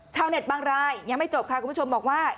ชาวเน็ตบางรายยังไม่จบค่ะคุณผู้ชมบอกว่า